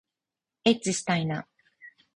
えっちしたいな